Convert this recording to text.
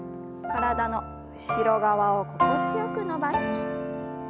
体の後ろ側を心地よく伸ばして。